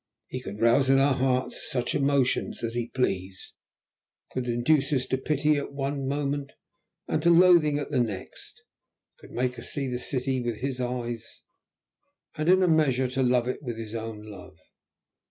He could rouse in our hearts such emotions as he pleased; could induce us to pity at one moment, and to loathing at the next; could make us see the city with his eyes, and in a measure to love it with his own love.